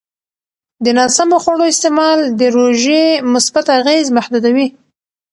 د ناسمو خوړو استعمال د روژې مثبت اغېز محدودوي.